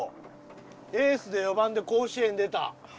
エースで４番で甲子園出た。